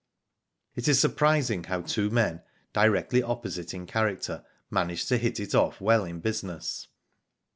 It is surprising how tvvo men, directly opposite in character, manage to hit it off well in business.